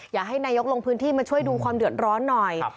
อยากให้นายกลงพื้นที่มาช่วยดูความเดือดร้อนหน่อย